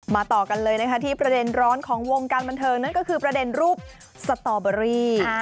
ต่อกันเลยนะคะที่ประเด็นร้อนของวงการบันเทิงนั่นก็คือประเด็นรูปสตอเบอรี่